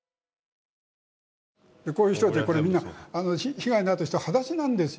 こういう人たち、これみんな被害に遭った人たち裸足なんですよ。